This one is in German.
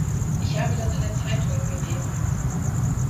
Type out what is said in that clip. Ich habe das in den Zeitungen gelesen.